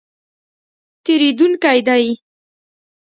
تېرېدونکی دی